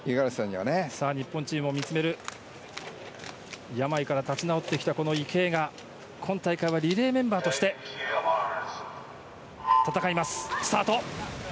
日本チームを見つめる病から立ち直ってきた池江が今大会はリレーメンバーとして戦います。